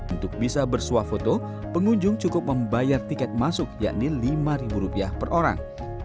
untuk bisa bersuah foto pengunjung cukup membayar tiket masuk yakni lima rupiah per orang